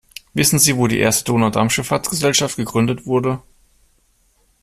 Wissen Sie, wo die erste Donaudampfschiffahrtsgesellschaft gegründet wurde?